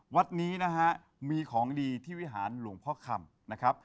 วัดนี้มีของดีที่วิหารหลวงพ่อคำ